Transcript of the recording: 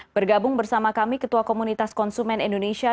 bergabung bersama kami ketua komunitas konsumen indonesia